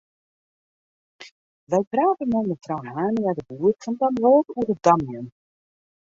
We prate mei mefrou Hania-de Boer fan Damwâld oer it damjen.